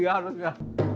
iya enak ya